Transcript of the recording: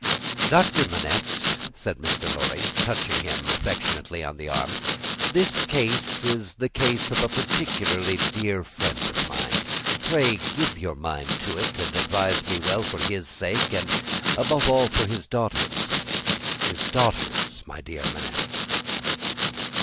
"Doctor Manette," said Mr. Lorry, touching him affectionately on the arm, "the case is the case of a particularly dear friend of mine. Pray give your mind to it, and advise me well for his sake and above all, for his daughter's his daughter's, my dear Manette."